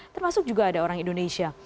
termasuk juga ada orang indonesia